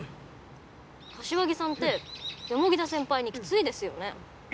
柏木さんって田先輩にキツいですよね。